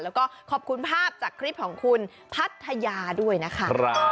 แล้วก็ขอบคุณภาพจากคลิปของคุณพัทยาด้วยนะคะ